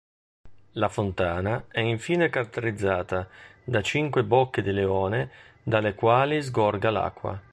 La fontana è infine caratterizzata da cinque bocche di leone dalle quali sgorga l'acqua.